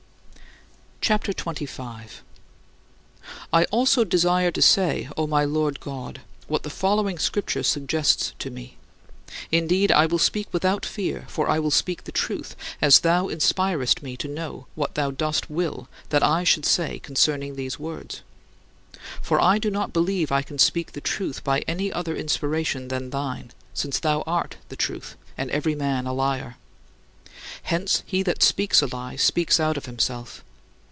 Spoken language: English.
CHAPTER XXV 38. I also desire to say, O my Lord God, what the following Scripture suggests to me. Indeed, I will speak without fear, for I will speak the truth, as thou inspirest me to know what thou dost will that I should say concerning these words. For I do not believe I can speak the truth by any other inspiration than thine, since thou art the Truth, and every man a liar. Hence, he that speaks a lie, speaks out of himself.